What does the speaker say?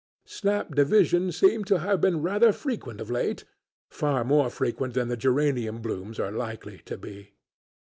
Snap divisions seem to have been rather frequent of late, far more frequent than the geranium blooms are likely to be.